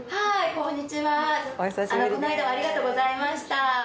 この間はありがとうございました。